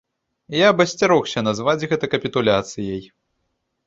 Я б асцярогся назваць гэта капітуляцыяй.